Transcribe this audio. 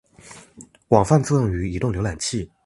广泛作用于移动浏览器。